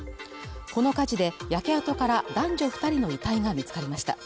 この火事で焼け跡から男女二人の遺体が見つかりました